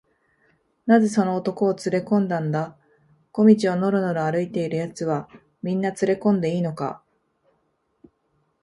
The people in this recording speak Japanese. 「なぜその男をつれこんだんだ？小路をのろのろ歩いているやつは、みんなつれこんでいいのか？」